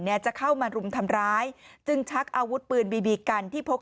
จะเข้ามารุมทำร้ายจึงชักอาวุธปืนบีบีกันที่พก